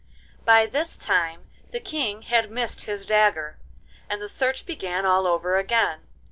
By this time the King had missed his dagger, and the search began all over again.